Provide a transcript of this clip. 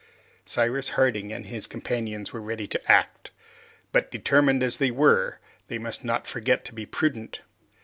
Cyrus Harding and his companions were ready to act, but, determined though they were, they must not forget to be prudent.